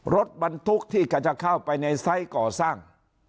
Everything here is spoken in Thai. รถบรรทุกที่ก็จะเข้าไปในไซส์ก่อสร้าง